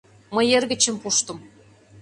Мый эргычым пуштым...